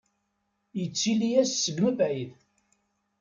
Yettili-as seg mebɛid.